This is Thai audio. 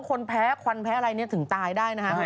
คนแพ้ควันแพ้อะไรเนี่ยถึงตายได้นะฮะ